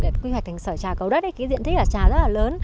để quy hoạch thành sở trà cầu đất cái diện tích là trà rất là lớn